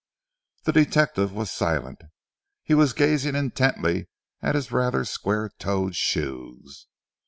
The detective was silent. He was gazing intently at his rather square toed shoes.